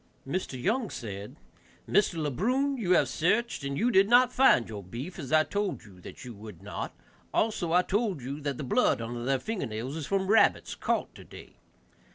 Mr. Young said, "Mr. Le Brun, you have searched and did not find your beef, as I told you that you would not; also I told you that the blood under their finger nails is from rabbits caught today.